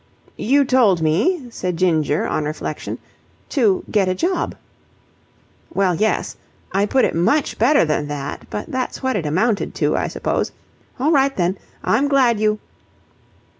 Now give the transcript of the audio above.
"You told me," said Ginger, on reflection, "to get a job." "Well, yes. I put it much better than that, but that's what it amounted to, I suppose. All right, then. I'm glad you..."